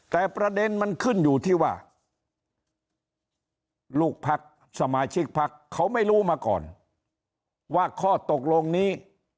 แต่ประเด็นมันขึ้นอยู่ที่ว่าลูกพักสมาชิกพักเขาไม่รู้มาก่อนว่าข้อตกลงนี้